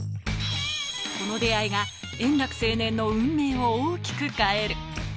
この出会いが円楽青年の運命を大きく変える。